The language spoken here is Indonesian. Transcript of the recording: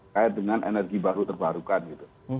kait dengan energi baru terbarukan gitu